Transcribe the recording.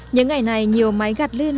những ngày này nhiều máy gặt lên